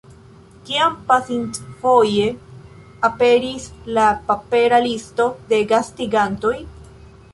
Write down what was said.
Kiam pasintfoje aperis la papera listo de gastigantoj?